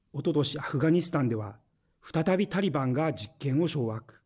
アフガニスタンでは再びタリバンが実権を掌握。